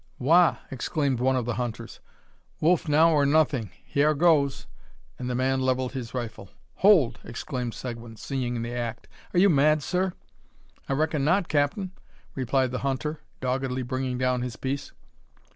"Wagh!" exclaimed one of the hunters; "wolf now or nothing: hyar goes!" and the man levelled his rifle. "Hold!" exclaimed Seguin, seeing the act. "Are you mad, sir?" "I reckon not, capt'n," replied the hunter, doggedly bringing down his piece.